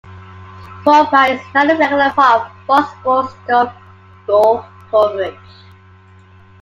Chopra is now a regular part of Fox Sports' golf coverage.